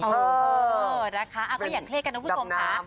เออนะคะก็อย่าเครียดกันนะคุณผู้ชมค่ะ